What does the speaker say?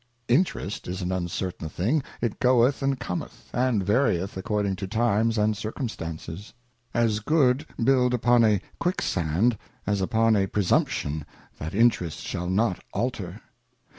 Interest is an uncertain thing, It goeth and cometh, and varieth according to times and circumstances ; as good build upon a Quicksand, as upon a presumption that Interest shall not alter.